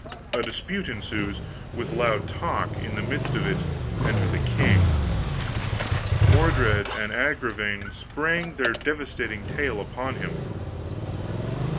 A dispute ensues, with loud talk; in the midst of it enter the king. Mordred and Agravaine spring their devastating tale upon him.